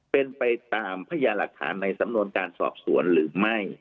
เป็นไปตามพยานหลักฐานในสำนวนการสอบสวนหรือไม่